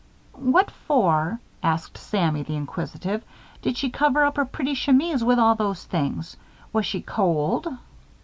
"What for," asked Sammy, the inquisitive, "did she cover up her pretty chemise with all those things? Was she cold?"